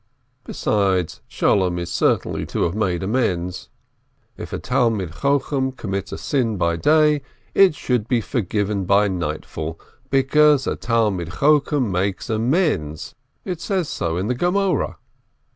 Besides, Sholem is certain to have made amends. If a Talmid Chochom commit a sin by day, it should be forgotten by nightfall, because a Talmid Chochom makes amends, it says so in the Gemoreh.